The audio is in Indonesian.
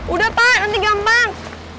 udah pak nanti gampang